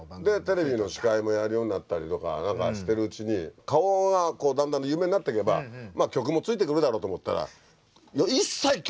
テレビの司会もやるようになったりとか何かしてるうちに顔がだんだん有名になっていけば曲もついてくるだろうと思ったら一切曲はついてこないんだよね